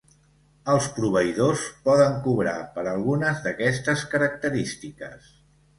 Els proveïdors poden cobrar per algunes d'aquestes característiques.